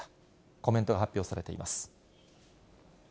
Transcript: コメントが発表されています。